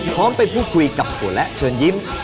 พร้อมเป็นผู้คุยกับผู้และเชิญยิ้ม